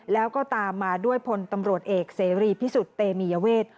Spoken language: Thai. แล้วก็ตามมาด้วยพลตำรวจเอกเสรีพิสุทธิ์เตมียเวท